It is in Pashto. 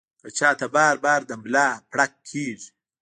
کۀ چاته بار بار د ملا پړق کيږي